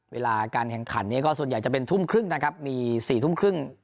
เวลาการแข่งขันนี้ก็ส่วนใหญ่จะเป็นทุ่มครึ่งนะครับมี๔ทุ่มครึ่ง